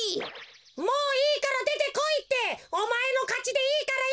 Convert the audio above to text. もういいからでてこいっておまえのかちでいいからよ！